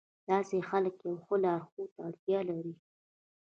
داسې خلک يوه لارښود ته اړتيا لري.